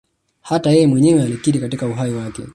Hata yeye mwenyewe alikiri katika uhai wake